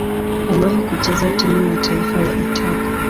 Aliwahi kucheza timu ya taifa ya Italia.